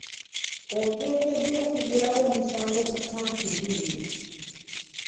Oteekeddwa okuggulawo omusango ku kampuni eyo.